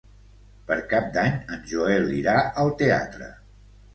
Per Cap d'Any en Joel irà al teatre.